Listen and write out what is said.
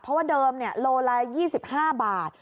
เพราะว่าเดิมโลละ๒๕บาท